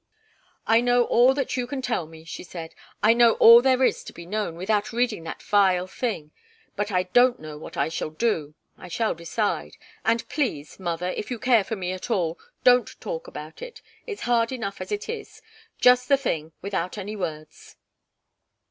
"I know all that you can tell me," she said. "I know all there is to be known, without reading that vile thing. But I don't know what I shall do I shall decide. And, please mother if you care for me at all don't talk about it. It's hard enough, as it is just the thing, without any words."